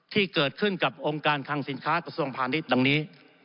ที่เกิดขึ้นกับองค์การคังสินค้ากระทรวงพาณิชย์ดังนี้